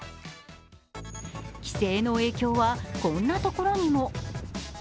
規制の影響は、こんなところにも。